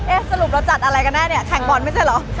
สรุปเราจัดอะไรกันแน่เนี่ยแข่งบอลไม่ใช่เหรอ